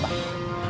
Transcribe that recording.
mau tinggal di cedahu